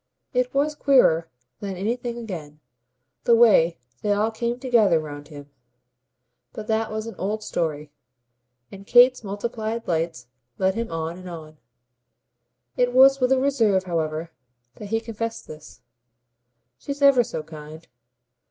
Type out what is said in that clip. It was queerer than anything again, the way they all came together round him. But that was an old story, and Kate's multiplied lights led him on and on. It was with a reserve, however, that he confessed this. "She's ever so kind.